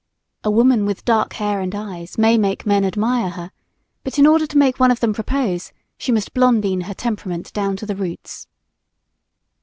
A woman with dark hair and eyes may make men admire her, but in order to make one of them propose she must blondine her temperament down to the roots.